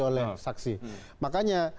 oleh saksi makanya